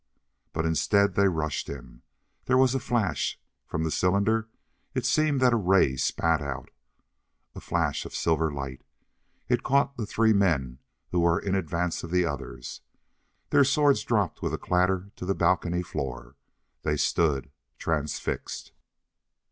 But instead they rushed him. There was a flash. From the cylinder it seemed that a ray spat out, a flash of silver light. It caught the three men who were in advance of the others. Their swords dropped with a clatter to the balcony floor. They stood, transfixed.